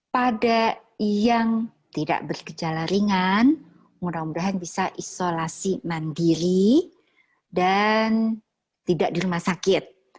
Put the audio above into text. pada yang tidak bergejala ringan mudah mudahan bisa isolasi mandiri dan tidak di rumah sakit